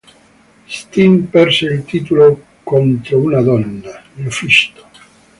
Steen perse il titolo contro una donna, LuFisto.